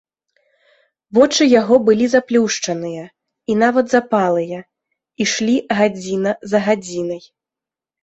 Вочы яго былі заплюшчаныя і нават запалыя, ішлі гадзіна за гадзінай.